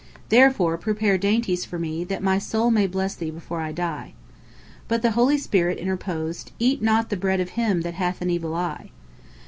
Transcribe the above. Therefore prepare dainties for me, that my soul may bless thee before I die." But the holy spirit interposed, "Eat not the bread of him that hath an evil eye."